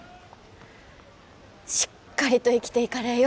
しっかりと生きていかれえよ。